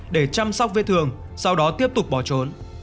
để chăm sóc vết thương sau đó tiếp tục bỏ trốn